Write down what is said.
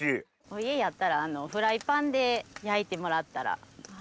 家やったらフライパンで焼いてもらったら。